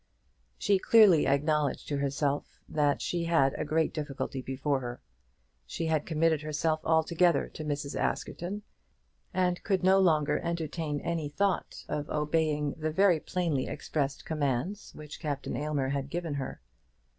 She clearly acknowledged to herself that she had a great difficulty before her. She had committed herself altogether to Mrs. Askerton, and could no longer entertain any thought of obeying the very plainly expressed commands which Captain Aylmer had given her.